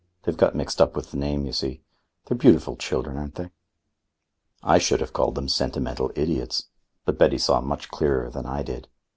They've got mixed up with the name, you see. They're beautiful children, aren't they?" I should have called them sentimental idiots, but Betty saw much clearer than I did.